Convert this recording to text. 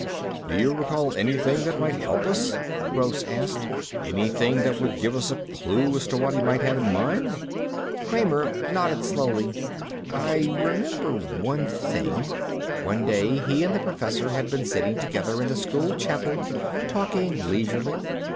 "Do you recall anything that might help us?" Gross asked. "Anything that would give us a clue as to what he might have in mind?" Kramer nodded slowly. "I remember one thing...." One day he and the Professor had been sitting together in the school chapel, talking leisurely.